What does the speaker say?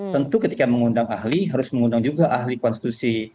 tentu ketika mengundang ahli harus mengundang juga ahli konstitusi